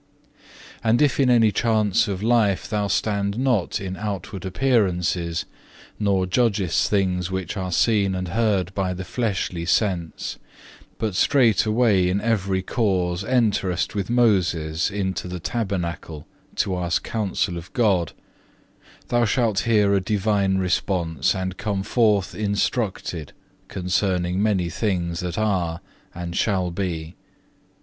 2. "And if in any chance of life thou stand not in outward appearances, nor judgest things which are seen and heard by the fleshly sense, but straightway in every cause enterest with Moses into the tabernacle to ask counsel of God; thou shalt hear a divine response and come forth instructed concerning many things that are and shall be.